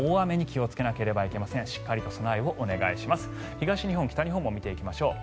東日本、北日本を見ていきましょう。